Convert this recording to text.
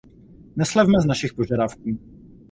Neslevme z našich požadavků.